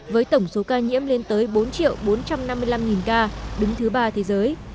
với tổng số ca nhiễm lên tới bốn bốn trăm năm mươi năm ca đứng thứ ba thế giới